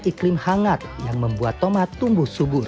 iklim hangat yang membuat tomat tumbuh subur